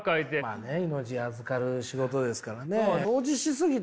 まあね命預かる仕事ですからね。